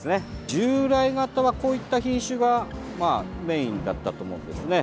従来型はこういった品種がメインだったと思うんですね。